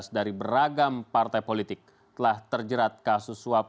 dari beragam partai politik telah terjerat kasus suap